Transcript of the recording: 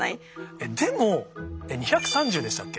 でも２３０でしたっけ？